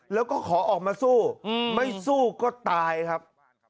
แล้วก็ขอออกมาสู้ไม่สู้ก็ตายครับ